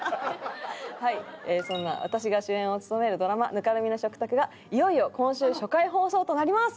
そんな私が主演を務めるドラマ『泥濘の食卓』がいよいよ今週初回放送となります。